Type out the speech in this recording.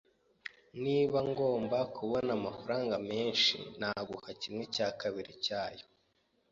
Niba ngomba kubona amafaranga menshi, naguha kimwe cya kabiri cyayo.